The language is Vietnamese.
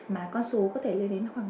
mà con số có thể lên đến khoảng